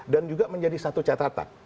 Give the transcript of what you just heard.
dan juga menjadi satu catatan